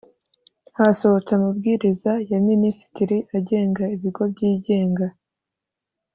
hasohotse amabwiriza ya minisitiri agenga ibigo byigenga .